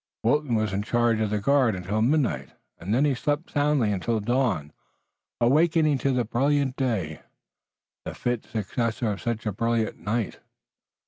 Wilton was in charge of the guard until midnight, and then he slept soundly until dawn, awakening to a brilliant day, the fit successor of such a brilliant night.